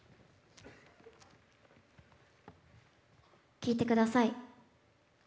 聴いてください。